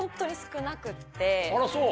あらそう？